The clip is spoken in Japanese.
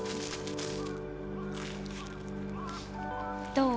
どう？